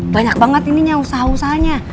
banyak banget ininya usaha usahanya